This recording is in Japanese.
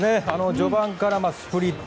序盤からスプリット。